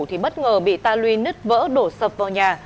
thì bất ngờ bị ta lui nứt vỡ đổ sập vào nhà